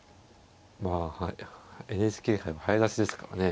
ＮＨＫ杯は早指しですからね。